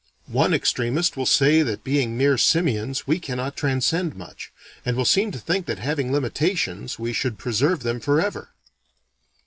One extremist will say that being mere simians we cannot transcend much, and will seem to think that having limitations we should preserve them forever.